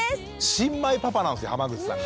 新米パパなんですよ濱口さんが。